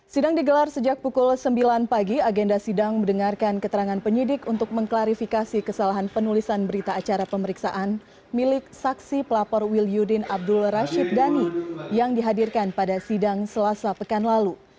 sidang digelar sejak pukul sembilan pagi agenda sidang mendengarkan keterangan penyidik untuk mengklarifikasi kesalahan penulisan berita acara pemeriksaan milik saksi pelapor wil yudin abdul rashid dhani yang dihadirkan pada sidang selasa pekan lalu